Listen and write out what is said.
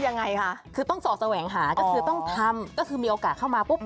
ยังไงคะคือต้องสอดแสวงหาก็คือต้องทำก็คือมีโอกาสเข้ามาปุ๊บ